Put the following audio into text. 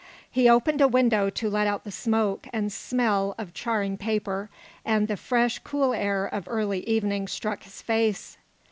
He opened a window to let out the smoke and smell of charring paper, and the fresh, cool air of early evening struck his face.